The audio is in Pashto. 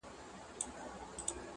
ته ټيک هغه یې خو اروا دي آتشي چیري ده.